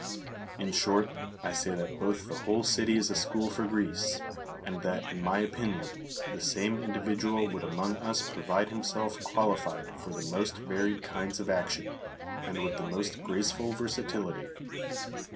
In short, I say that both the whole city is a school for Greece, and that, in my opinion, the same individual wonld among us provide liim self qualified for the most varied kinds of ac tion, and with the most graceful versatility.